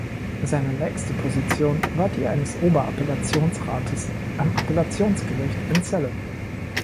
Seine nächste Position war die eines Ober-Appellationsrates am Appellationsgericht in Celle.